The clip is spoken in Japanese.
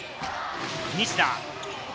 西田。